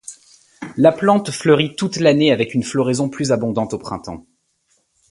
La plante fleurit toute l'année avec une floraison plus abondante au printemps.